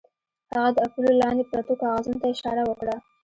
هغه د اپولو لاندې پرتو کاغذونو ته اشاره وکړه